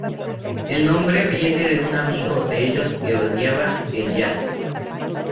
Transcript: El nombre viene de un amigo de ellos que odiaba el jazz.